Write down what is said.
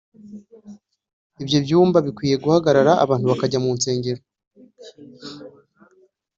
ibyo byumba bikwiye guhagarara abantu bakajya mu nsengero”